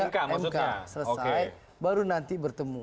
maksudnya di mk selesai baru nanti bertemu